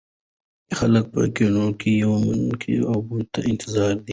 خلک په ګېنټو يو منګي اوبو ته انتظار کوي ـ